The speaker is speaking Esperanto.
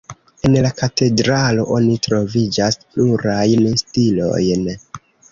En la katedralo oni troviĝas plurajn stilojn.